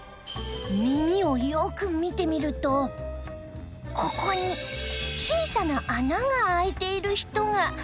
耳をよく見てみるとここに小さな穴が開いている人が！